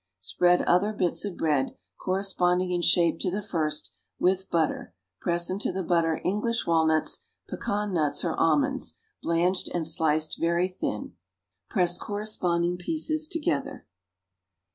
Spread other bits of bread, corresponding in shape to the first, with butter; press into the butter English walnuts, pecan nuts or almonds, blanched and sliced very thin. Press corresponding pieces together.